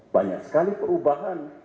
banyak sekali perubahan